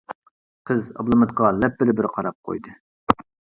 قىز ئابلىمىتقا لەپپىدە بىر قاراپ قويدى.